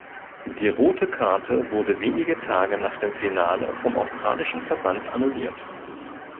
Die rote Karte wurde wenige Tage nach dem Finale vom australischen Verband annulliert.